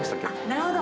なるほど。